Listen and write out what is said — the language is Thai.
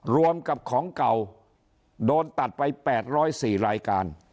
รวมกับของเก่าโดนตัดไป๘๐๔รายการ